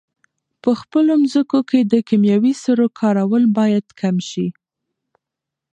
په خپلو مځکو کې د کیمیاوي سرو کارول باید کم شي.